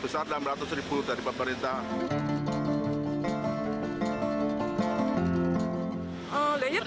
sudah sudah optimal ya